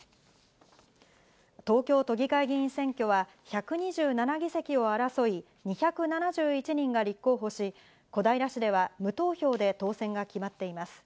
東京都議会議員選挙は１２７議席を争い、２７１人が立候補し、小平市では無投票で当選が決まっています。